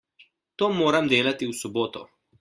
To moram delati v soboto.